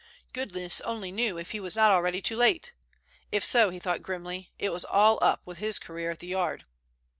Goodness only knew if he was not already too late. If so, he thought grimly, it was all up with his career at the Yard.